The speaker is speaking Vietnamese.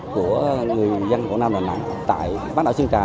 của người dân của nam đà nẵng tại bãi đảo sơn trà